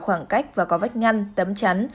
khoảng cách và có vách ngăn tấm chắn